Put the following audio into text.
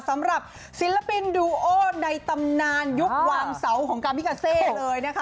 สำหรับศิลปินดูโอในตำนานยุควางเสาของกามิกาเซเลยนะคะ